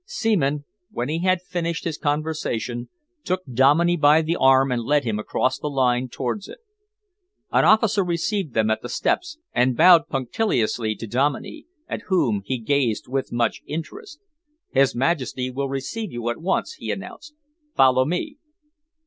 Seaman, when he had finished his conversation, took Dominey by the arm and led him across the line towards it. An officer received them at the steps and bowed punctiliously to Dominey, at whom he gazed with much interest. "His Majesty will receive you at once," he announced. "Follow me."